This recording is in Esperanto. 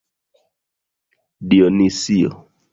Dionisio.